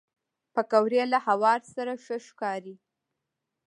پکورې له هوار سره ښه ښکاري